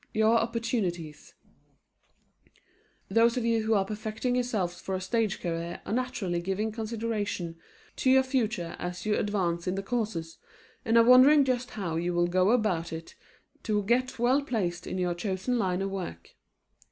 YOUR OPPORTUNITIES Those of you who are perfecting yourselves for a stage career are naturally giving consideration to your future as you advance in the courses, and are wondering just how you will go about it to get well placed in your chosen line of work.